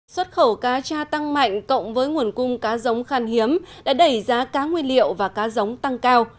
xuất khẩu cá cha tăng mạnh cộng với nguồn cung cá giống khan hiếm đã đẩy giá cá nguyên liệu và cá giống tăng cao